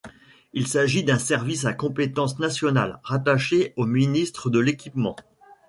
Il s'agit d'un service à compétence nationale, rattaché au ministre de l'Equipement.